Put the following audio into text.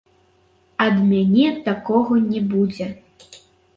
Ад мяне такога не будзе!